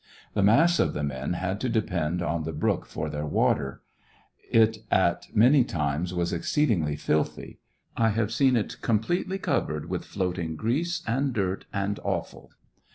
The mass of the men had to depend on the Ufook for their water ; it at many times was exceedingly filthy ; I have seen it completely Cpvered with floating grease, and dirt, and offal.